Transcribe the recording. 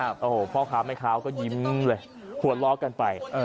โอ้โหพ่อค้าแม่ค้าก็ยิ้มเลยหัวล้อกันไป